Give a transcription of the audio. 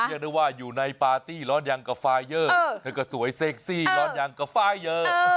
อย่างนึกว่าอยู่ในปาร์ตี้ร้อนอย่างกับไฟเยอร์เธอก็สวยเซ็กซี่ร้อนอย่างกับไฟเยอร์